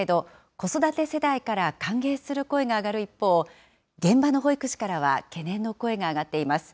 子育て世代から歓迎する声が上がる一方、現場の保育士からは懸念の声が上がっています。